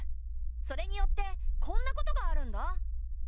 それによってこんなことがあるんだ。